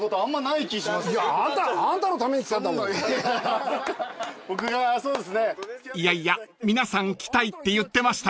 ［いやいや皆さん来たいって言ってましたよ］